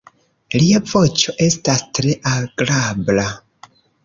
Lia voĉo estas tre agrabla.